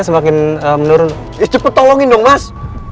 semakin menurun cepet tolongin dong mas